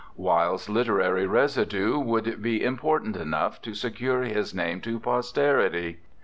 Wilde's literary residue would be im portant enough to secure his name to posterity.